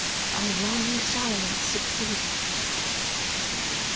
A long silence succeeded.